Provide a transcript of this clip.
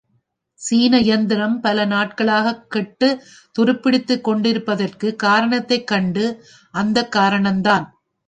சீன யந்திரம் பல நாட்களாகக் கெட்டுத் துருப்பிடித்துக் கொண்டிருப்பதற்குக் காரணத்தைக் கண்டு, அந்த காரணந்தான்.